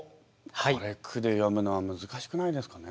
これ句で詠むのは難しくないですかね？